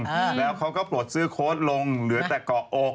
แล้วเขาก็ปลดเซอร์โค้ดลงหรือแต่เกาะอก